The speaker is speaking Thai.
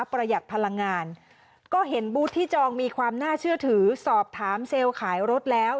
ประหยัดพลังงานก็เห็นบูธที่จองมีความน่าเชื่อถือสอบถามเซลล์ขายรถแล้ว